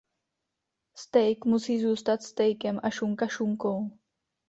Steak musí zůstat steakem a šunka šunkou.